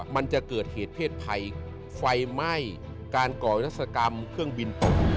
มันจะเกิดเหตุเพศภัยไฟไหม้การก่อวิรัศกรรมเครื่องบินตก